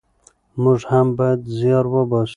موږ هم بايد زيار وباسو.